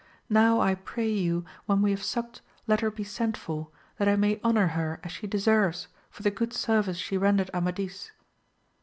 now I pray you when we have supt let her be sent for, that I may honour her as she deserves for the good service she rendered Amadis.